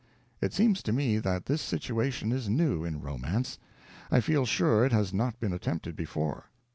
It seems to me that this situation is new in romance. I feel sure it has not been attempted before.